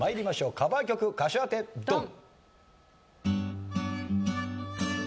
カバー曲歌手当てドン！